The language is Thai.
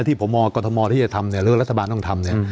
แล้วที่ผมมองกฎธมรณ์ที่จะทำเนี่ยหรือว่ารัฐบาลต้องทำเนี่ย